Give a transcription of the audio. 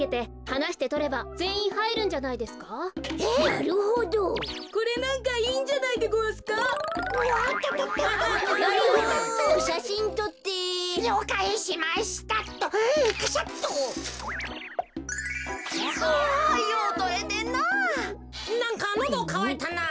なんかのどかわいたな。